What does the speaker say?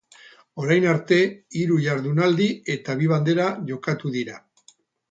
Orain arte hiru jardunaldi eta bi bandera jokatu dira.